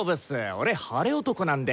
俺晴れ男なんで！